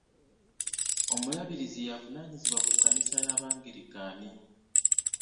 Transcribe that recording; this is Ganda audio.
Omulabirizi avunaanyizibwa ku kkanisa y'abangirikaani.